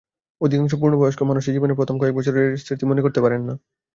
অধিকাংশ পূর্ণবয়স্ক মানুষই জীবনের প্রথম কয়েক বছর বয়সের স্মৃতি মনে করতে পারেন না।